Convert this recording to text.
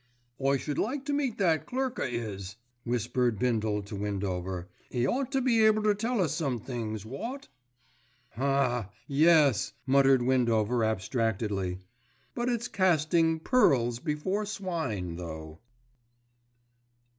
"I should like to meet that clerk of 'is," "whispered" Bindle to Windover. "'E ought to be able to tell us some things, wot?" "Ha, yes," muttered Windover abstractedly, "but it's casting Pearls before swine though."